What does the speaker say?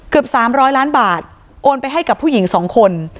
๓๐๐ล้านบาทโอนไปให้กับผู้หญิง๒คน